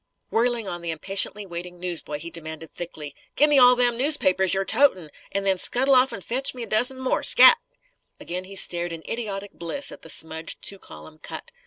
Whirling on the impatiently waiting newsboy, he demanded thickly: "Gimme all them newspapers you're totin'! An' then scuttle off an' fetch me a dozen more! Scat!" Again he stared in idiotic bliss at the smudged two column cut.